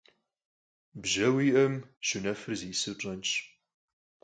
Bje vui'eme, şunefır ziş'ısır pş'enş.